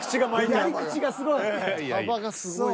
やり口がすごい。